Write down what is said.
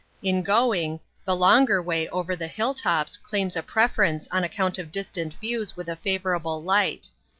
In going, the longer way, over the hill tops, claims a preference on account of distant views with a favorable light.